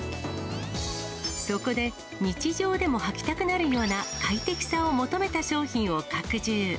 そこで、日常でもはきたくなるような快適さを求めた商品を拡充。